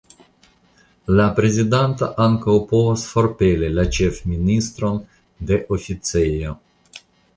La prezidanto ankaŭ povas forpeli la ĉefministron de oficejo.